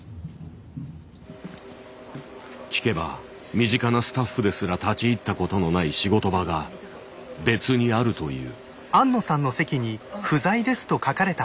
聞けば身近なスタッフですら立ち入ったことのない仕事場が別にあるという。